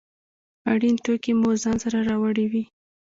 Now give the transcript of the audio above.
اړین توکي مو ځان سره راوړي وي.